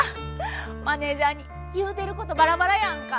マネージャーに「言うてることバラバラやんか」